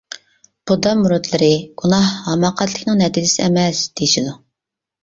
بۇددا مۇرىتلىرى، گۇناھ ھاماقەتلىكنىڭ نەتىجىسى ئەمەس، دېيىشىدۇ.